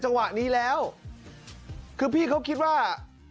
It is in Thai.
จังหวะนี้แล้วคือพี่เขาคิดว่า